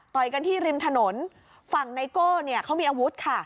กันที่ริมถนนฝั่งไนโก้เนี่ยเขามีอาวุธค่ะ